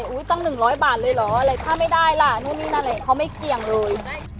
อุ๋ยต้อง๑๐๐บาทเลยเหรออะไรถ้าไม่ได้ล่ะก็ไม่เกี่ยงเลย